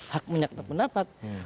hak menyatakan pendapat